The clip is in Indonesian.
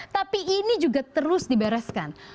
tapi ini juga terus dibereskan